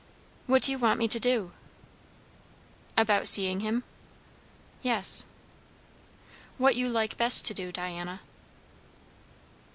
"What do you want me to do?" "About seeing him?" "Yes." "What you like best to do, Diana."